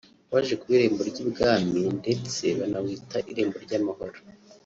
waje kuba irembo ry’i Bwami ndetse banawita irembo ry’amahoro